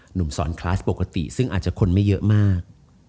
หนุ่มสอนคลาสปกติซึ่งอาจจะคนไม่เยอะมาก